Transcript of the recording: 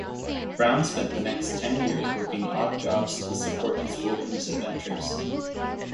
Brown spent the next ten years working odd jobs to support his wilderness adventures.